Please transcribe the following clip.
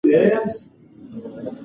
هغه وویل چې د خبریال قلم ډېر زور لري.